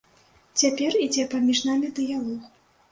Цяпер ідзе паміж намі дыялог.